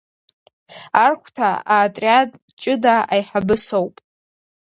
Архәҭа аотриад ҷыда аиҳабы соуп.